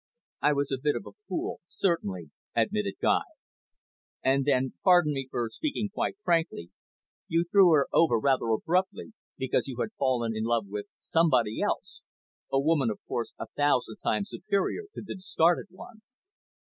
"I was a bit of a fool, certainly," admitted Guy. "And then, pardon me for speaking quite frankly, you threw her over rather abruptly, because you had fallen in love with somebody else a woman, of course, a thousand times superior to the discarded one."